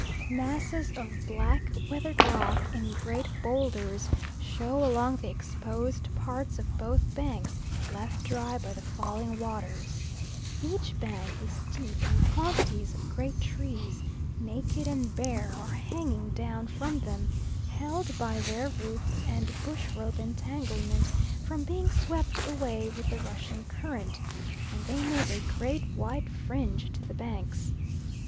Masses of black weathered rock in great boulders show along the exposed parts of both banks, left dry by the falling waters. Each bank is steep, and quantities of great trees, naked and bare, are hanging down from them, held by their roots and bush rope entanglement from being swept away with the rushing current, and they make a great white fringe to the banks.